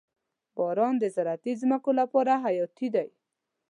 • باران د زراعتي ځمکو لپاره حیاتي دی.